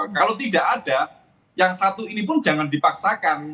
kalau tidak ada yang satu ini pun jangan dipaksakan